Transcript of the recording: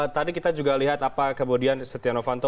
tadi kita juga lihat apa kemudian setia novanto